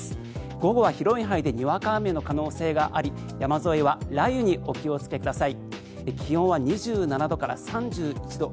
午後は広い範囲でにわか雨の可能性があり山沿いは雷雨にお気をつけください。